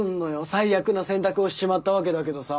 最悪の選択をしちまったわけだけどさ。